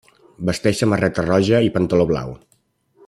Vesteix samarreta roja i pantaló blau.